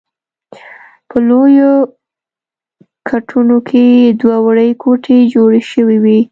په لویو ګټونو کې دوه وړې کوټې جوړې شوې وې.